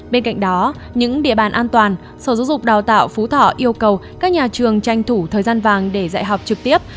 bên cạnh đó những địa bàn an toàn sở giáo dục đào tạo phú thọ yêu cầu các nhà trường tranh thủ thời gian vàng để dạy học trực tiếp